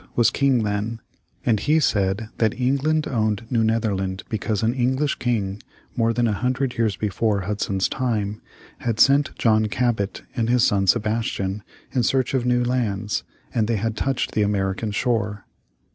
was king then, and he said that England owned New Netherland because an English king, more than a hundred years before Hudson's time, had sent John Cabot and his son Sebastian in search of new lands, and they had touched the American shore.